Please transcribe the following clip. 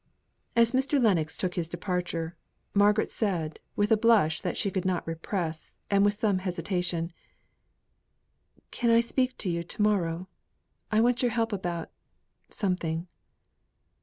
As Mr. Lennox took his departure, Margaret said, with a blush that she could not repress, and with some hesitation, "Can I speak to you to morrow? I want your help about something."